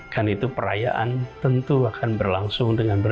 dan itu perayaan tentu akan berlangsung dengan berat